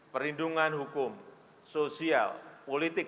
perlindungan hukum sosial politik